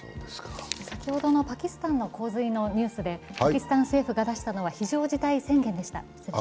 先ほどのパキスタンの洪水のニュースでパキスタン政府が出したのは非常事態宣言でした。